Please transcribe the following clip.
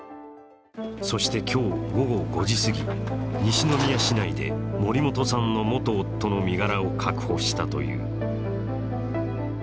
そして今日午後５時すぎ西宮市内で森本さんの元夫の身柄を確保したという。